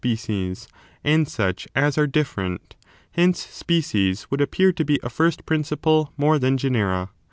281 species and such as are different, — hence species would ap pear to be a first principle more than genera.